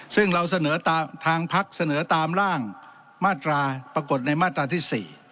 ซึ่งเราเสนอทางพักเสนอตามร่างมาตราปรากฏในมาตราที่๔